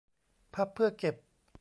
พับเพื่อเก็บ